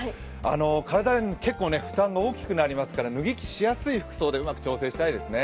体に負担が大きくなりますから脱ぎ着しやすい服装でうまく調整したいですよね。